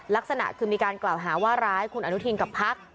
ลักษณะคือมีการกล่าวหาว่าร้ายคุณอนุทินกับพัก